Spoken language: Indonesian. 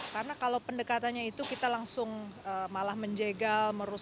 karena kalau pendekatannya itu kita langsung malah menjegal